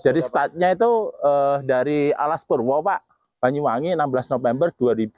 jadi startnya itu dari alaspur wawak banyuwangi enam belas november dua ribu dua puluh tiga